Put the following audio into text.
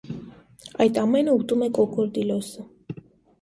Այդ ամենը ուտում է կոկորդիլոսը։